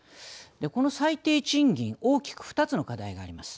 この最低賃金大きく２つの課題があります。